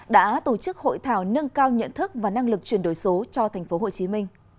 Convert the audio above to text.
đã tổ chức hội thảo nâng cao nhận thức và năng lực chuyển đổi số cho tp hcm